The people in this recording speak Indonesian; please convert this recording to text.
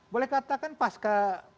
boleh dikatakan pasca reformasi